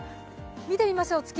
見てみましょう、月。